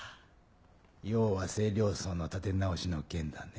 用は清涼荘の建て直しの件だね。